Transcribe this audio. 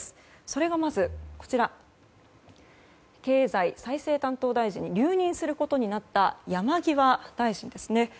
それがまず、経済再生担当大臣に留任することになった山際大臣ですね。